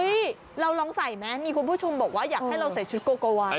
นี่เราลองใส่ไหมมีคุณผู้ชมบอกว่าอยากให้เราใส่ชุดโกโกวาน